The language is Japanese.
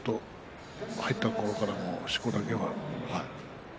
入った時から、しこだけは。